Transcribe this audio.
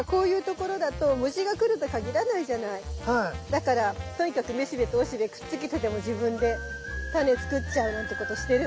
だからとにかくめしべとおしべくっつけてでも自分でタネ作っちゃうなんてことしてるんだね。